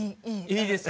いいですか？